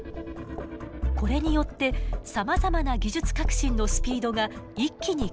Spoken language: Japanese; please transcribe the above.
これによってさまざまな技術革新のスピードが一気に加速しました。